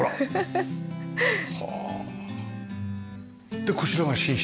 でこちらが寝室？